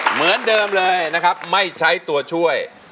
เหมือนเดิมเลยนะครับไม่ใช้ตัวช่วย